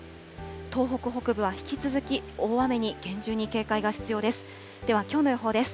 東北北部は引き続き大雨に厳重に警戒が必要です。